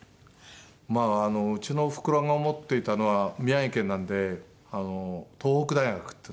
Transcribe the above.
まあうちのおふくろが思っていたのは宮城県なんで東北大学っていう。